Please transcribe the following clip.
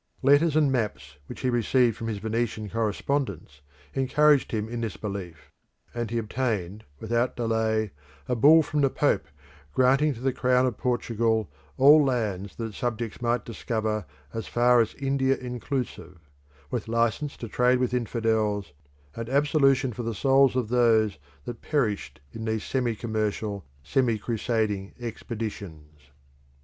Letters and maps which he received from his Venetian correspondents encouraged him in this belief, and he obtained without delay a Bull from the Pope granting to the Crown of Portugal all lands that its subjects might discover as far as India inclusive, with license to trade with infidels, and absolution for the souls of those that perished in these semi commercial, semi crusading expeditions.